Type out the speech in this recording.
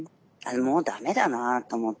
もう駄目だなと思って。